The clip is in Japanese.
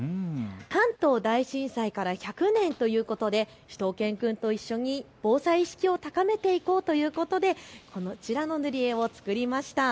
関東大震災から１００年ということで、しゅと犬くんと一緒に防災意識を高めていこうということでこちらの塗り絵を作りました。